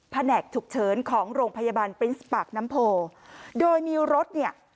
แหนกฉุกเฉินของโรงพยาบาลปรินส์ปากน้ำโพโดยมีรถเนี่ย